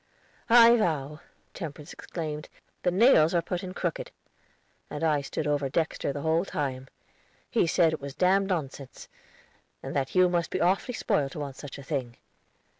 "I vow," Temperance exclaimed, "the nails are put in crooked! And I stood over Dexter the whole time. He said it was damned nonsense, and that you must be awfully spoiled to want such a thing.